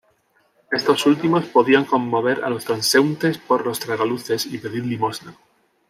Estos últimos podían conmover a los transeúntes por los tragaluces y pedir limosna.